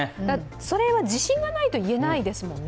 それは自信がないと言えないですもんね。